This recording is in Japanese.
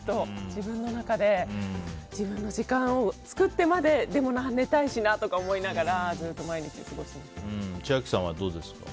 自分の中で自分の時間を作ってまででも寝たいしなと思いながら千秋さんはどうですか？